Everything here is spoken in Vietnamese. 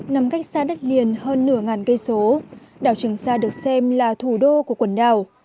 nằm cách xa đất liền hơn nửa cây số đảo trường sa được xem là thủ đô của quần đảo